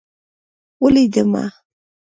ولوېدمه.